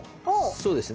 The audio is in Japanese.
そうですね。